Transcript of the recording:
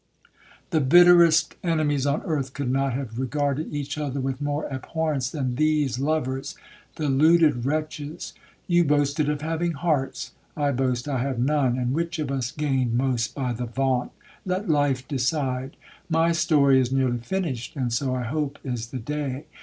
The bitterest enemies on earth could not have regarded each other with more abhorrence than these lovers. Deluded wretches! you boasted of having hearts, I boast I have none, and which of us gained most by the vaunt, let life decide. My story is nearly finished, and so I hope is the day.